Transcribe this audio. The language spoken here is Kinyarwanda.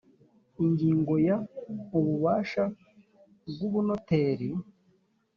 ingingo ya ububasha bw ubunoteri